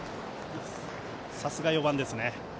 さすが４番ですね。